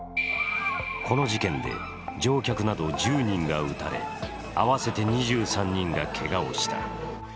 この事件で乗客など１０人が撃たれ、合わせて２３人がけがをした。